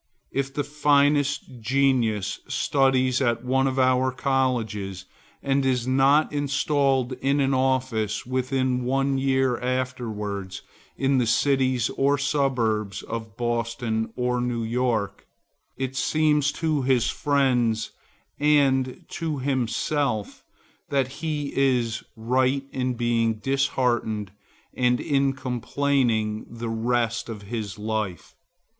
If the finest genius studies at one of our colleges and is not installed in an office within one year afterwards in the cities or suburbs of Boston or New York, it seems to his friends and to himself that he is right in being disheartened and in complaining the rest of his life.